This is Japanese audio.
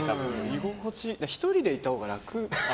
１人でいたほうが楽。